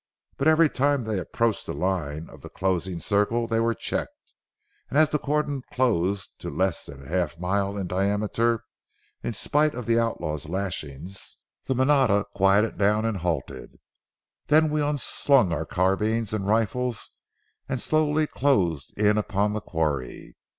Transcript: But every time they approached the line of the closing circle they were checked, and as the cordon closed to less than half a mile in diameter, in spite of the outlaw's lashings, the manada quieted down and halted. Then we unslung our carbines and rifles and slowly closed in upon the quarry.